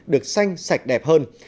được xanh sạch đẹp hơn